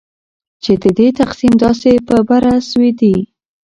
چې ددې تقسیم داسي په بره سویدي